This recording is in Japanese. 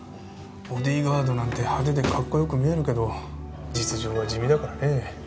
ボディーガードなんて派手でかっこよく見えるけど実情は地味だからね。